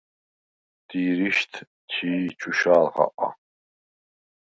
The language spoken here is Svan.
დი̄რიშდ ჩი̄ ჩუშა̄ლ ხაყა.